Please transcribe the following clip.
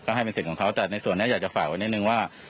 ก็ให้เป็นสิทธิ์ของเขาแต่ในส่วนนี้อยากจะฝากไว้นิดนึงว่า